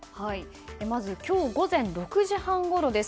まず今日午前６時半ごろです。